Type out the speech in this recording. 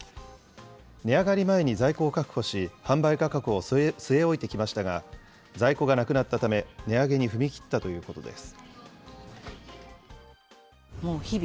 値上がり前に在庫を確保し、販売価格を据え置いてきましたが、在庫がなくなったため、値上げに踏み切ったということです。